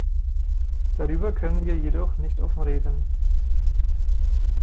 Darüber können wir jedoch nicht offen reden.